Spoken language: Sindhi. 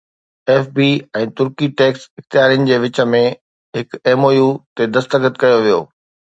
ايف بي ۽ ترڪي ٽيڪس اختيارين جي وچ ۾ هڪ ايم او يو تي دستخط ڪيو ويو